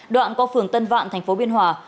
đoạn qua phường tân vạn tp biên hòa